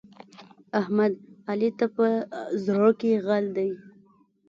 احمد؛ علي ته په زړه کې غل دی.